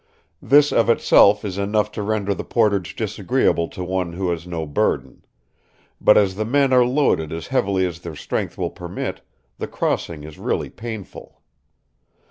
This of itself is enough to render the portage disagreeable to one who has no burden; but as the men are loaded as heavily as their strength will permit, the crossing is really painful.